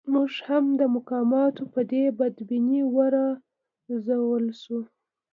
موږ هم د مقاماتو په دې بدنیتۍ و روزل شوو.